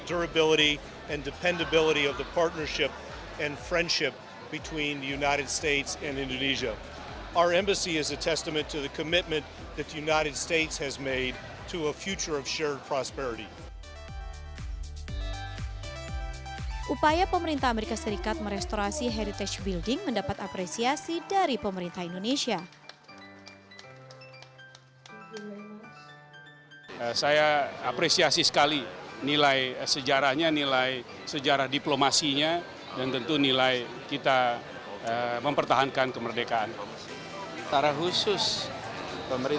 upaya pemerintah amerika serikat merestorasi heritage building mendapat apresiasi